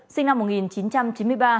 sinh năm một nghìn chín trăm chín mươi ba